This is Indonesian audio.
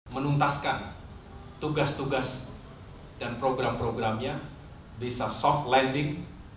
menuntaskan tugas tugas dan program programnya bisa soft landing